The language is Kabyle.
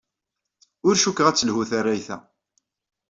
Ur cukkeɣ ad telḥu tarrayt-a.